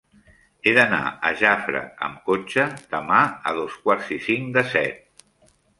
He d'anar a Jafre amb cotxe demà a dos quarts i cinc de set.